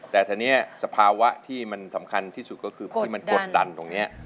แต่ทีนี้สภาวะที่มันสำคัญที่สุดก็คือที่มันกดดันตรงนี้